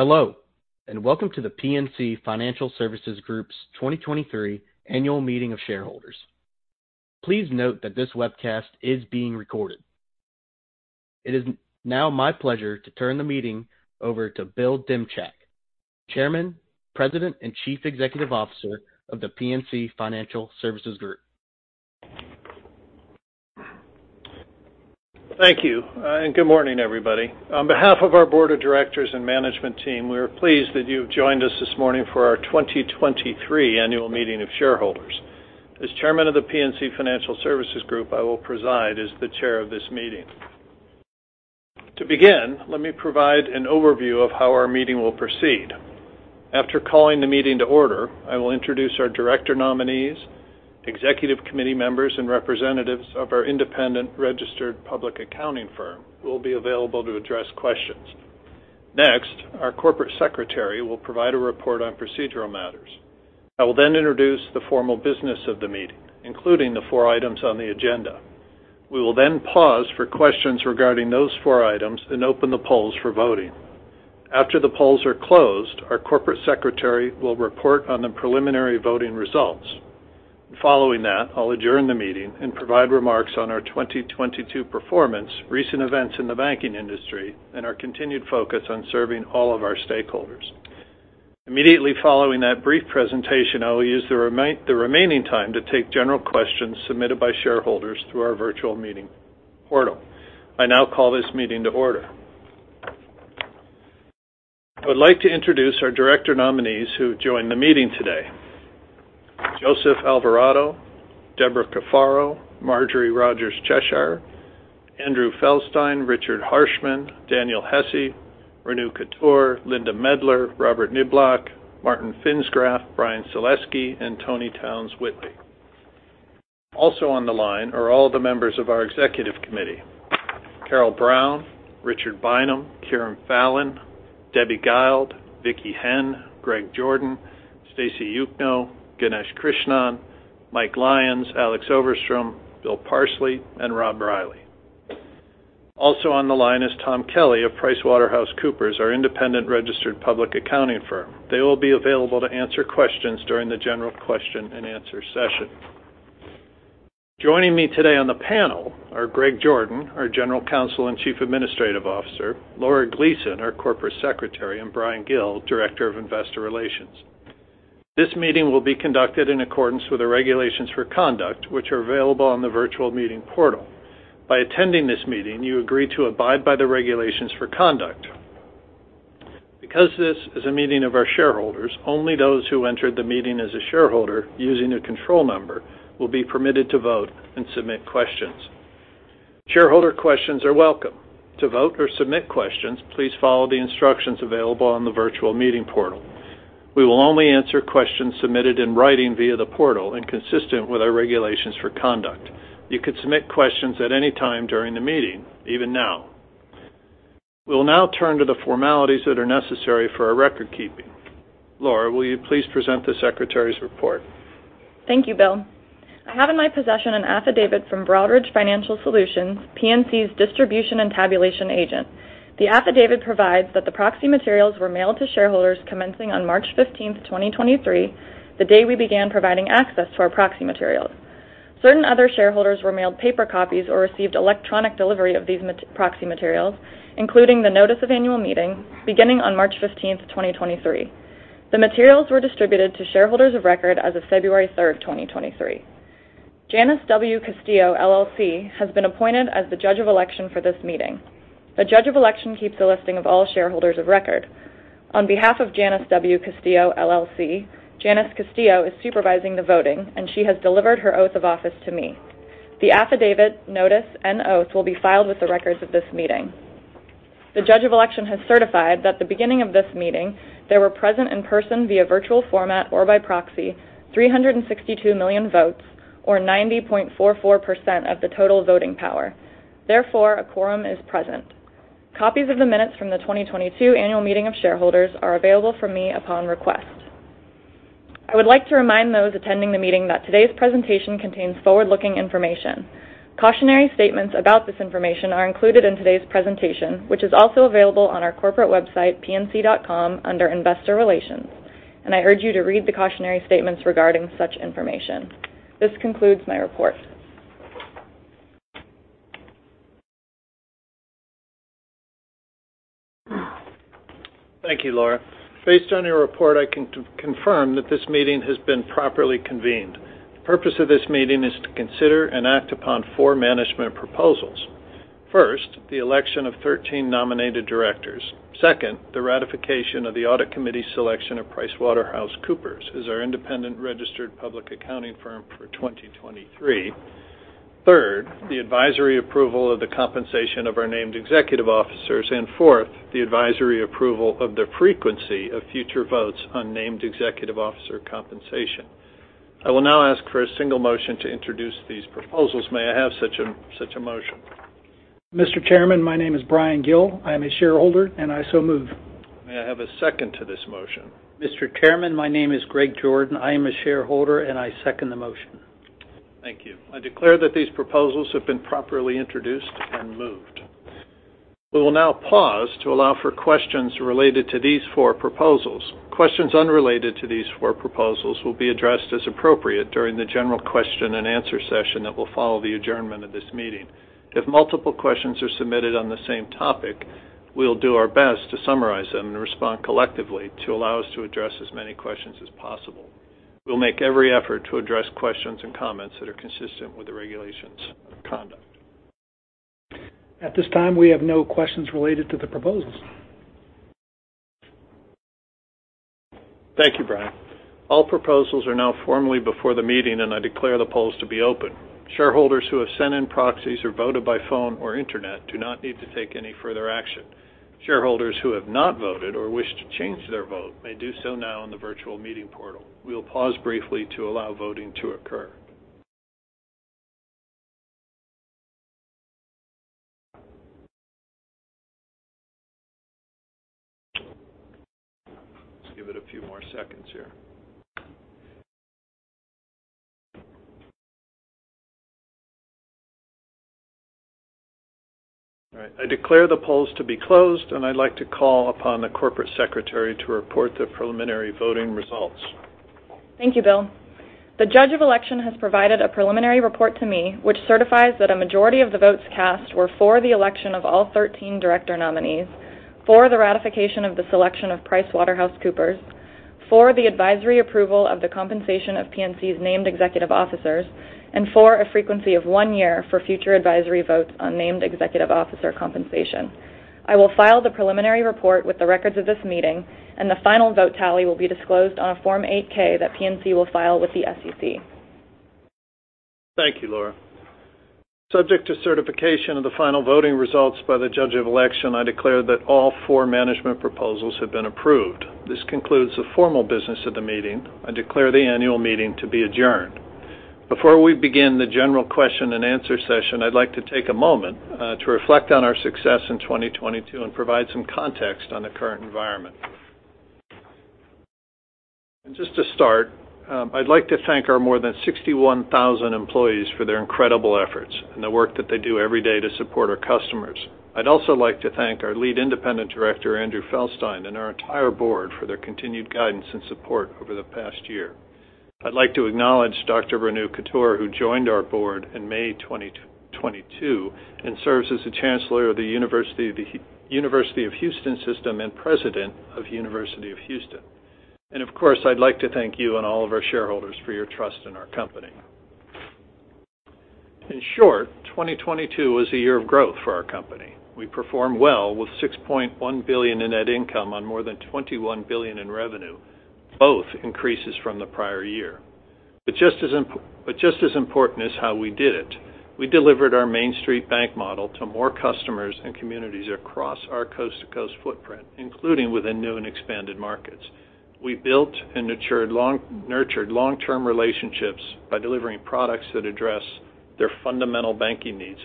Hello, welcome to The PNC Financial Services Group's 2023 Annual Meeting of Shareholders. Please note that this webcast is being recorded. It is now my pleasure to turn the meeting over to Bill Demchak, Chairman, President, and Chief Executive Officer of The PNC Financial Services Group. Thank you, good morning, everybody. On behalf of our board of directors and management team, we are pleased that you have joined us this morning for our 2023 Annual Meeting of Shareholders. As Chairman of The PNC Financial Services Group, I will preside as the chair of this meeting. To begin, let me provide an overview of how our meeting will proceed. After calling the meeting to order, I will introduce our director nominees, executive committee members, and representatives of our independent registered public accounting firm who will be available to address questions. Next, our Corporate Secretary will provide a report on procedural matters. I will then introduce the formal business of the meeting, including the four items on the agenda. We will then pause for questions regarding those four items and open the polls for voting. After the polls are closed, our corporate secretary will report on the preliminary voting results. Following that, I'll adjourn the meeting and provide remarks on our 2022 performance, recent events in the banking industry, and our continued focus on serving all of our stakeholders. Immediately following that brief presentation, I will use the remaining time to take general questions submitted by shareholders through our virtual meeting portal. I now call this meeting to order. I would like to introduce our director nominees who joined the meeting today. Joseph Alvarado, Debra Cafaro, Marjorie Rodgers Cheshire, Andrew Feldstein, Richard Harshman, Daniel Hesse, Renu Khator, Linda Medler, Robert Niblock, Martin Pfinsgraff, Bryan Salesky, and Toni Townes-Whitley. Also on the line are all the members of our executive committee. Carole Brown, Richard Bynum, Kieran Fallon, Debbie Guild, Vicki Henn, Greg Jordan, Stacy Juchno, Ganesh Krishnan, Mike Lyons, Alex Overstrom, Bill Parsley, and Rob Riley. Also on the line is Tom Kelly of PricewaterhouseCoopers, our independent registered public accounting firm. They will be available to answer questions during the general question-and-answer session. Joining me today on the panel are Greg Jordan, our General Counsel and Chief Administrative Officer, Laura Gleason, our Corporate Secretary, and Bryan Gill, Director of Investor Relations. This meeting will be conducted in accordance with the regulations for conduct, which are available on the virtual meeting portal. By attending this meeting, you agree to abide by the regulations for conduct. Because this is a meeting of our shareholders, only those who entered the meeting as a shareholder using a control number will be permitted to vote and submit questions. Shareholder questions are welcome. To vote or submit questions, please follow the instructions available on the virtual meeting portal. We will only answer questions submitted in writing via the portal and consistent with our regulations for conduct. You could submit questions at any time during the meeting, even now. We'll now turn to the formalities that are necessary for our record keeping. Laura, will you please present the secretary's report? Thank you. Bill. I have in my possession an affidavit from Broadridge Financial Solutions, PNC's distribution and tabulation agent. The affidavit provides that the proxy materials were mailed to shareholders commencing on March 15th, 2023, the day we began providing access to our proxy materials. Certain other shareholders were mailed paper copies or received electronic delivery of these proxy materials, including the Notice of Annual Meeting beginning on March 15th, 2023. The materials were distributed to shareholders of record as of February 3rd, 2023. Janice W. Castillo LLC has been appointed as the judge of election for this meeting. The judge of election keeps a listing of all shareholders of record. On behalf of Janice W. Castillo LLC, Janice Castillo is supervising the voting, and she has delivered her oath of office to me. The affidavit, notice, and oath will be filed with the records of this meeting. The judge of election has certified that at the beginning of this meeting, there were present in person via virtual format or by proxy 362 million votes or 90.44% of the total voting power. Therefore, a quorum is present. Copies of the minutes from the 2022 Annual Meeting of Shareholders are available from me upon request. I would like to remind those attending the meeting that today's presentation contains forward-looking information. Cautionary statements about this information are included in today's presentation, which is also available on our corporate website, pnc.com, under Investor Relations. I urge you to read the cautionary statements regarding such information. This concludes my report. Thank you, Laura. Based on your report, I can confirm that this meeting has been properly convened. The purpose of this meeting is to consider and act upon four management proposals. First, the election of 13 nominated directors. Second, the ratification of the audit committee selection of PricewaterhouseCoopers as our independent registered public accounting firm for 2023. Third, the advisory approval of the compensation of our named executive officers. Fourth, the advisory approval of the frequency of future votes on named executive officer compensation. I will now ask for a single motion to introduce these proposals. May I have such a motion? Mr. Chairman, my name is Bryan Gill. I am a shareholder, and I so move. May I have a second to this motion? Mr. Chairman, my name is Greg Jordan. I am a shareholder, and I second the motion. Thank you. I declare that these proposals have been properly introduced and moved. We will now pause to allow for questions related to these four proposals. Questions unrelated to these four proposals will be addressed as appropriate during the general question and answer session that will follow the adjournment of this meeting. If multiple questions are submitted on the same topic, we'll do our best to summarize them and respond collectively to allow us to address as many questions as possible. We'll make every effort to address questions and comments that are consistent with the regulations of conduct. At this time, we have no questions related to the proposals. Thank you, Bryan. All proposals are now formally before the meeting. I declare the polls to be open. Shareholders who have sent in proxies or voted by phone or internet do not need to take any further action. Shareholders who have not voted or wish to change their vote may do so now in the virtual meeting portal. We will pause briefly to allow voting to occur. Let's give it a few more seconds here. All right. I declare the polls to be closed. I'd like to call upon the corporate secretary to report the preliminary voting results. Thank you, Bill. The Judge of Election has provided a preliminary report to me which certifies that a majority of the votes cast were for the election of all 13 director nominees, for the ratification of the selection of PricewaterhouseCoopers, for the advisory approval of the compensation of PNC's named executive officers, and for a frequency of one year for future advisory votes on named executive officer compensation. I will file the preliminary report with the records of this meeting. The final vote tally will be disclosed on a Form 8-K that PNC will file with the SEC. Thank you, Laura. Subject to certification of the final voting results by the Judge of Election, I declare that all four management proposals have been approved. This concludes the formal business of the meeting. I declare the annual meeting to be adjourned. Before we begin the general question and answer session, I'd like to take a moment to reflect on our success in 2022 and provide some context on the current environment. Just to start, I'd like to thank our more than 61,000 employees for their incredible efforts and the work that they do every day to support our customers. I'd also like to thank our Lead Independent Director, Andrew Feldstein, and our entire board for their continued guidance and support over the past year. I'd like to acknowledge Dr. Renu Khator, who joined our board in May 2022 and serves as the chancellor of the University of Houston System and President of University of Houston. Of course, I'd like to thank you and all of our shareholders for your trust in our company. In short, 2022 was a year of growth for our company. We performed well with $6.1 billion in net income on more than $21 billion in revenue, both increases from the prior year. Just as important as how we did it, we delivered our Main Street bank model to more customers and communities across our coast-to-coast footprint, including within new and expanded markets. We built and nurtured long-term relationships by delivering products that address their fundamental banking needs.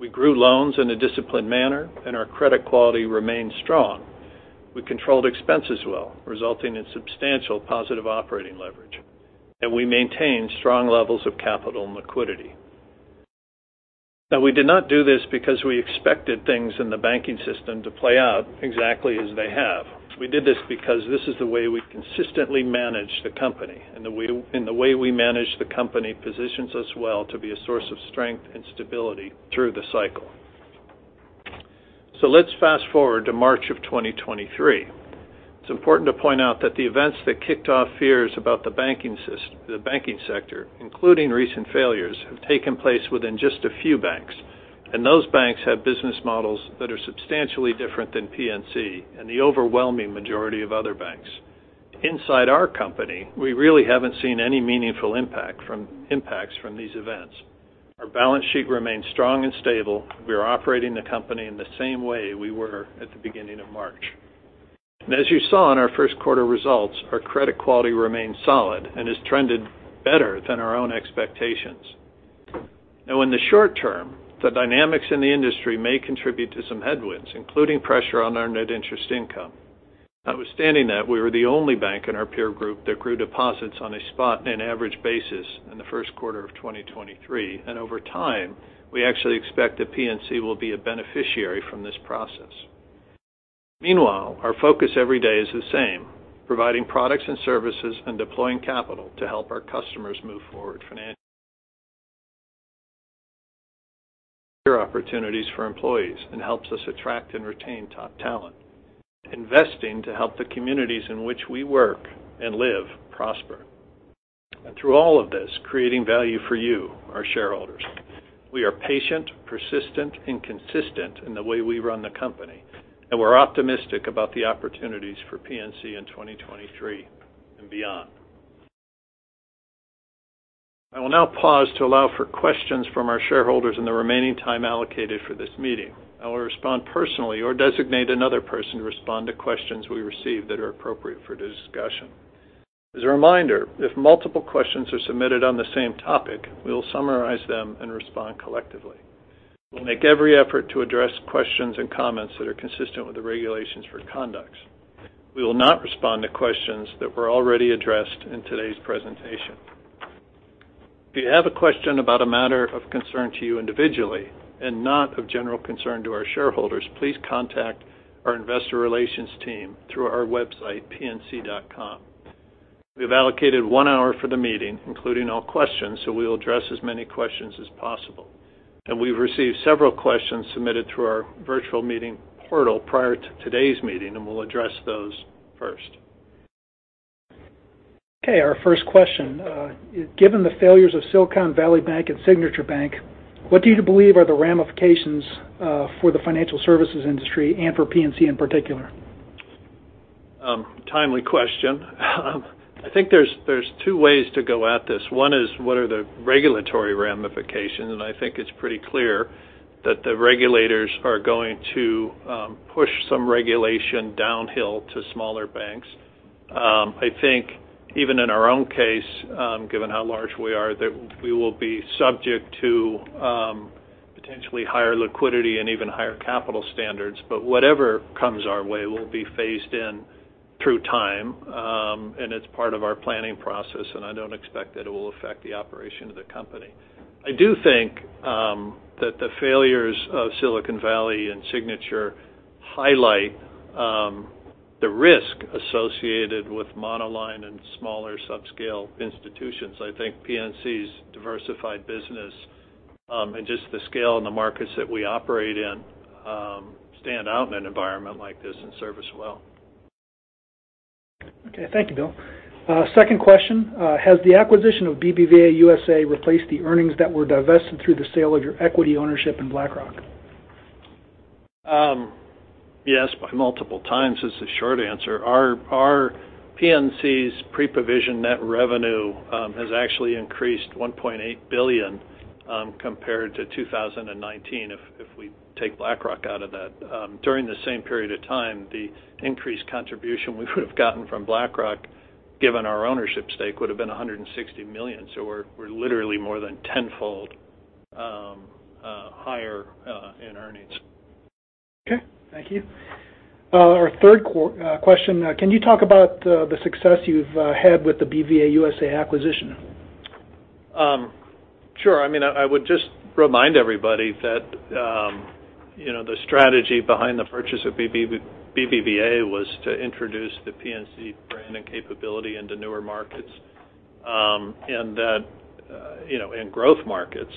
We grew loans in a disciplined manner, and our credit quality remained strong. We controlled expenses well, resulting in substantial positive operating leverage, and we maintained strong levels of capital and liquidity. We did not do this because we expected things in the banking system to play out exactly as they have. We did this because this is the way we consistently manage the company, and the way we manage the company positions us well to be a source of strength and stability through the cycle. Let's fast-forward to March of 2023. It's important to point out that the events that kicked off fears about the banking sector, including recent failures, have taken place within just a few banks, and those banks have business models that are substantially different than PNC and the overwhelming majority of other banks. Inside our company, we really haven't seen any meaningful impacts from these events. Our balance sheet remains strong and stable. We are operating the company in the same way we were at the beginning of March. As you saw in our first quarter results, our credit quality remains solid and has trended better than our own expectations. Now in the short term, the dynamics in the industry may contribute to some headwinds, including pressure on our net interest income. Notwithstanding that, we were the only bank in our peer group that grew deposits on a spot and average basis in the first quarter of 2023. Over time, we actually expect that PNC will be a beneficiary from this process. Meanwhile, our focus every day is the same, providing products and services and deploying capital to help our customers move forward financially. Career opportunities for employees and helps us attract and retain top talent. Investing to help the communities in which we work and live prosper. Through all of this, creating value for you, our shareholders. We are patient, persistent, and consistent in the way we run the company, and we're optimistic about the opportunities for PNC in 2023 and beyond. I will now pause to allow for questions from our shareholders in the remaining time allocated for this meeting. I will respond personally or designate another person to respond to questions we receive that are appropriate for discussion. A reminder, if multiple questions are submitted on the same topic, we will summarize them and respond collectively. We'll make every effort to address questions and comments that are consistent with the regulations for conduct. We will not respond to questions that were already addressed in today's presentation. If you have a question about a matter of concern to you individually and not of general concern to our shareholders, please contact our investor relations team through our website, pnc.com. We've allocated one hour for the meeting, including all questions, so we will address as many questions as possible. We've received several questions submitted through our virtual meeting portal prior to today's meeting, and we'll address those first. Okay. Our first question. Given the failures of Silicon Valley Bank and Signature Bank, what do you believe are the ramifications for the financial services industry and for PNC in particular? Timely question. I think there's 2 ways to go at this. One is, what are the regulatory ramifications? I think it's pretty clear that the regulators are going to push some regulation downhill to smaller banks. I think even in our own case, given how large we are, that we will be subject to potentially higher liquidity and even higher capital standards. Whatever comes our way will be phased in through time, and it's part of our planning process, and I don't expect that it will affect the operation of the company. I do think that the failures of Silicon Valley and Signature highlight the risk associated with monoline and smaller subscale institutions. I think PNC's diversified business, and just the scale and the markets that we operate in, stand out in an environment like this and serve us well. Okay. Thank you, Bill. Second question? Has the acquisition of BBVA USA replaced the earnings that were divested through the sale of your equity ownership in BlackRock? Yes, by multiple times is the short answer. Our PNC's pre-provision net revenue has actually increased $1.8 billion compared to 2019 if we take BlackRock out of that. During the same period of time, the increased contribution we would have gotten from BlackRock, given our ownership stake, would have been $160 million. We're literally more than tenfold higher in earnings. Okay. Thank you. Our third question. Can you talk about the success you've had with the BBVA USA acquisition? Sure. I mean, I would just remind everybody that, you know, the strategy behind the purchase of BBVA was to introduce the PNC brand and capability into newer markets, and that, you know, in growth markets,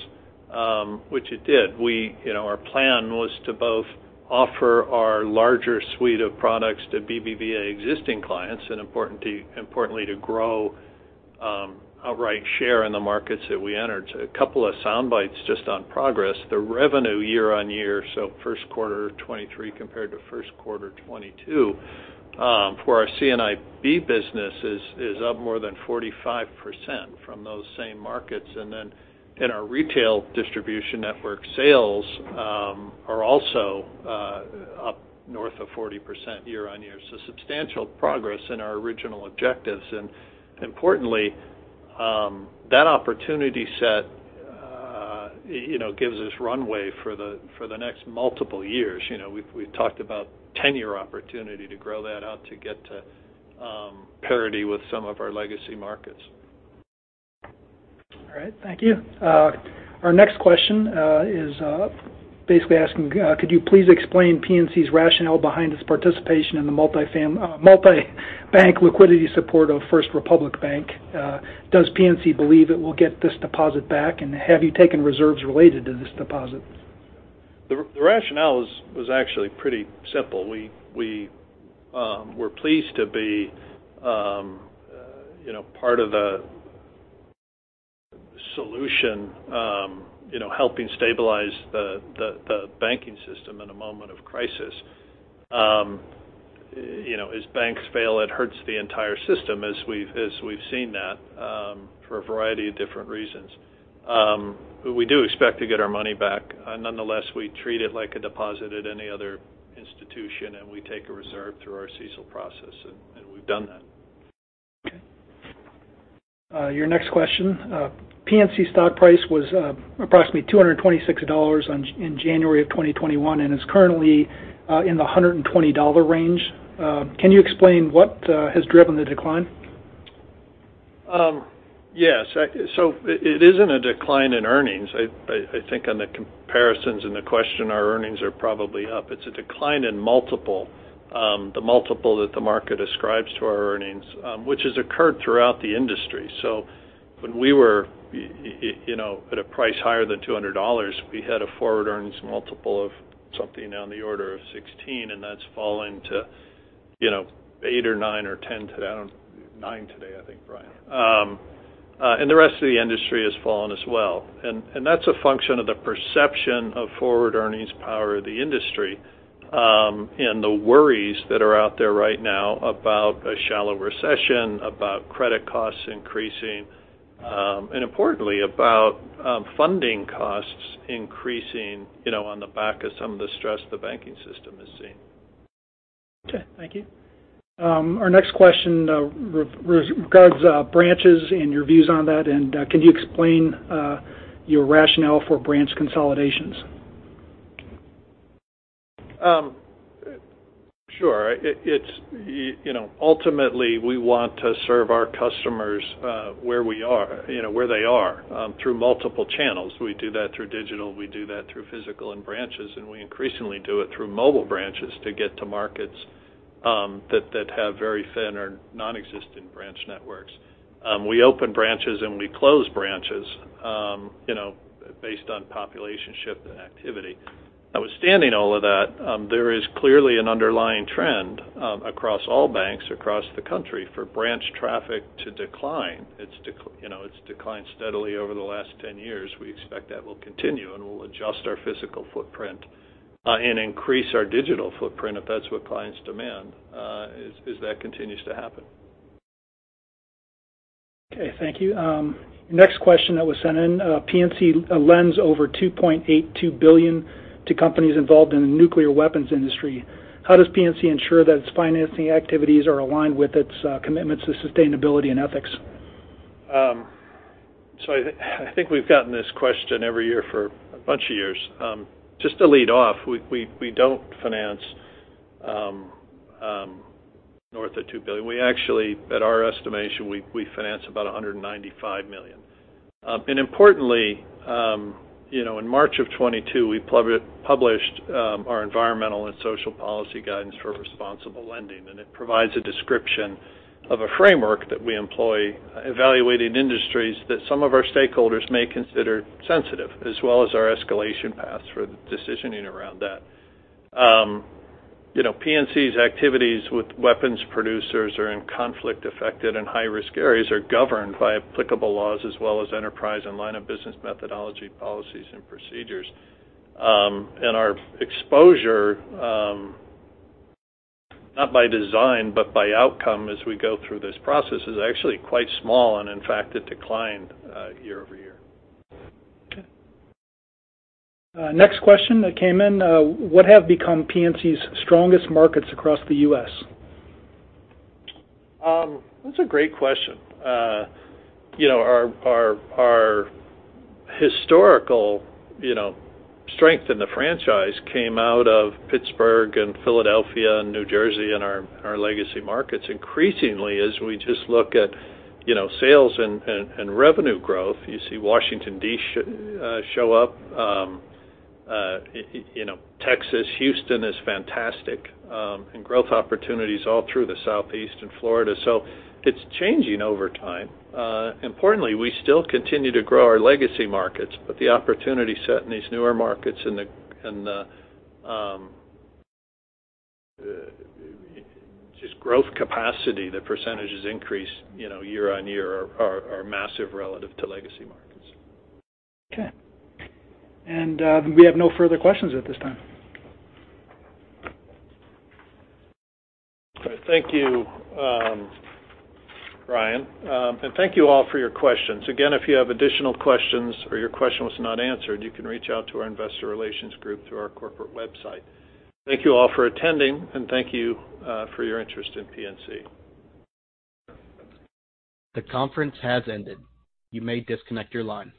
which it did. We, you know, our plan was to both offer our larger suite of products to BBVA existing clients and importantly to grow, outright share in the markets that we entered. A couple of sound bites just on progress. The revenue year-on-year, so first quarter '23 compared to first quarter '22, for our C&IB business is up more than 45% from those same markets. Then in our retail distribution network, sales are also up north of 40% year-on-year. Substantial progress in our original objectives. Importantly, that opportunity set, you know, gives us runway for the next multiple years. You know, we've talked about 10-year opportunity to grow that out to get to parity with some of our legacy markets. All right. Thank you. Our next question is basically asking, could you please explain PNC's rationale behind its participation in the multi bank liquidity support of First Republic Bank? Does PNC believe it will get this deposit back, and have you taken reserves related to this deposit? The rationale is, was actually pretty simple. We were pleased to be, you know, part of the solution, you know, helping stabilize the banking system in a moment of crisis. You know, as banks fail, it hurts the entire system as we've seen that for a variety of different reasons. We do expect to get our money back. Nonetheless, we treat it like a deposit at any other institution, and we take a reserve through our CECL process, and we've done that. Okay. Your next question. PNC stock price was approximately $226 in January of 2021 and is currently in the $120 range. Can you explain what has driven the decline? Yes. It isn't a decline in earnings. I think on the comparisons in the question, our earnings are probably up. It's a decline in multiple, the multiple that the market ascribes to our earnings, which has occurred throughout the industry. When we were, you know, at a price higher than $200, we had a forward earnings multiple of something on the order of 16, and that's fallen to, you know, eight or nine or 10 today. nine today, I think, Bryan. And the rest of the industry has fallen as well. That's a function of the perception of forward earnings power of the industry, and the worries that are out there right now about a shallow recession, about credit costs increasing, and importantly, about funding costs increasing, you know, on the back of some of the stress the banking system has seen. Okay. Thank you. Our next question regards branches and your views on that, and can you explain your rationale for branch consolidations? Sure. It, it's, you know, ultimately, we want to serve our customers, where we are, you know, where they are, through multiple channels. We do that through digital, we do that through physical and branches, and we increasingly do it through mobile branches to get to markets, that have very thin or non-existent branch networks. We open branches and we close branches, you know, based on population shift and activity. Notwithstanding all of that, there is clearly an underlying trend across all banks across the country for branch traffic to decline. You know, it's declined steadily over the last 10 years. We expect that will continue, and we'll adjust our physical footprint, and increase our digital footprint if that's what clients demand, as that continues to happen. Okay, thank you. Next question that was sent in. PNC lends over $2.82 billion to companies involved in the nuclear weapons industry. How does PNC ensure that its financing activities are aligned with its commitments to sustainability and ethics? I think we've gotten this question every year for a bunch of years. Just to lead off, we don't finance north of $2 billion. We actually, at our estimation, we finance about $195 million. Importantly, you know, in March of 2022, we published our environmental and social policy guidance for responsible lending, and it provides a description of a framework that we employ evaluating industries that some of our stakeholders may consider sensitive, as well as our escalation paths for the decisioning around that. You know, PNC's activities with weapons producers are in conflict-affected and high-risk areas are governed by applicable laws as well as enterprise and line of business methodology, policies, and procedures. Our exposure, not by design, but by outcome as we go through this process is actually quite small, and in fact, it declined, year-over-year. Okay. Next question that came in. What have become PNC's strongest markets across the U.S.? That's a great question. You know, our historical, you know, strength in the franchise came out of Pittsburgh and Philadelphia and New Jersey and our legacy markets. Increasingly, as we just look at, you know, sales and revenue growth, you see Washington, D.C., show up. You know, Texas, Houston is fantastic, and growth opportunities all through the Southeast and Florida. It's changing over time. Importantly, we still continue to grow our legacy markets, but the opportunity set in these newer markets and the, just growth capacity, the percentages increase, you know, year-on-year are massive relative to legacy markets. Okay. We have no further questions at this time. All right. Thank you, Bryan. Thank you all for your questions. Again, if you have additional questions or your question was not answered, you can reach out to our investor relations group through our corporate website. Thank you all for attending. Thank you for your interest in PNC. The conference has ended. You may disconnect your line.